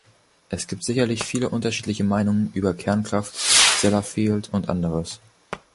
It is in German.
Es gibt sicherlich viele unterschiedliche Meinungen über Kernkraft, Sellafield und anderes.